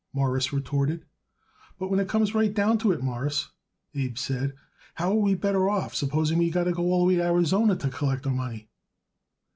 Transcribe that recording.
Morris retorted. "But when it comes right down to it, Mawruss," Abe said, "how are we better off, supposing we got to go all the way to Arizona to collect our money?"